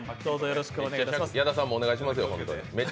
矢田さんもお願いします。